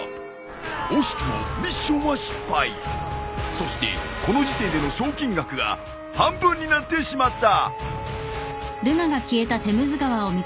そしてこの時点での賞金額が半分になってしまった。